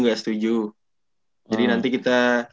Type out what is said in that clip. nggak setuju jadi nanti kita